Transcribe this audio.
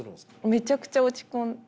めちゃくちゃ落ち込んで。